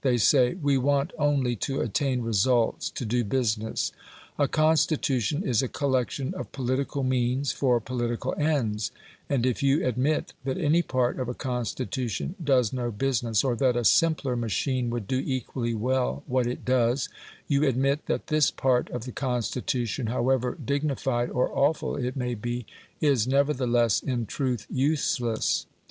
They say, we want only to attain results, to do business: a constitution is a collection of political means for political ends, and if you admit that any part of a constitution does no business, or that a simpler machine would do equally well what it does, you admit that this part of the constitution, however dignified or awful it may be, is nevertheless in truth useless.